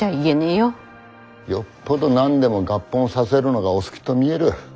よっぽど何でも合本させるのがお好きと見える。